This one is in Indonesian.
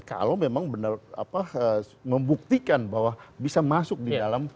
kalau memang benar membuktikan bahwa bisa masuk di dalam